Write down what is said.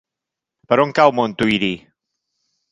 Per on cau Montuïri?